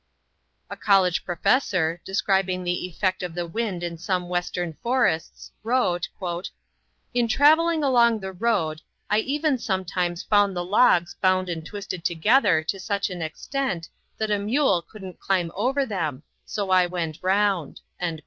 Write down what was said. A college professor, describing the effect of the wind in some Western forests, wrote, "In traveling along the road, I even sometimes found the logs bound and twisted together to such an extent that a mule couldn't climb over them, so I went round."